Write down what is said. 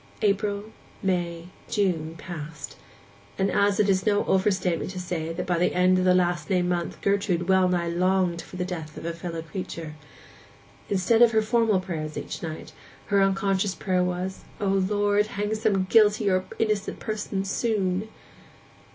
April, May, June, passed; and it is no overstatement to say that by the end of the last named month Gertrude well nigh longed for the death of a fellow creature. Instead of her formal prayers each night, her unconscious prayer was, 'O Lord, hang some guilty or innocent person soon!